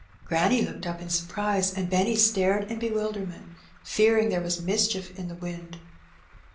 Granny looked up in surprise, and Benny stared in be wilderment, fearing there was mischief in the wind.